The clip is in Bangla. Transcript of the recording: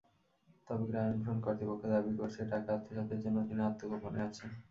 তবে গ্রামীণফোন কর্তৃপক্ষ দাবি করেছে, টাকা আত্মসাতের জন্য তিনি আত্মগোপনে আছেন।